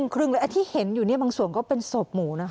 ครึ่งเลยไอ้ที่เห็นอยู่เนี่ยบางส่วนก็เป็นศพหมูนะคะ